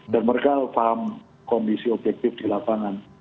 dan mereka paham kondisi objektif di lapangan